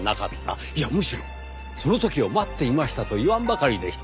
いやむしろその時を待っていましたと言わんばかりでした。